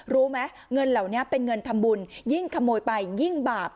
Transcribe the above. รู้ไหมเงินเหล่านี้เป็นเงินทำบุญยิ่งขโมยไปยิ่งบาป